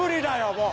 もう。